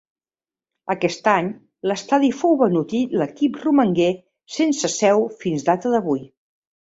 Aquest any, l'estadi fou venut i l'equip romangué sense seu fins data d'avui.